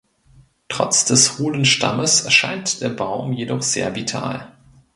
Trotz des hohlen Stammes scheint der Baum jedoch sehr vital.